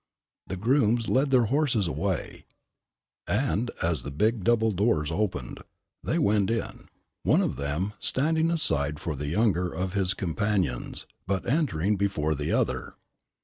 The grooms led their horses away, and, as the big double doors opened, they went in, one of them, standing aside for the younger of his companions but entering before the other.